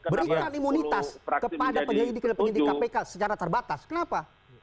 berikan imunitas kepada penyelidik dan penyidik kpk secara terbatas kenapa